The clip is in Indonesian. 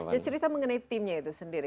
jadi cerita mengenai timnya itu sendiri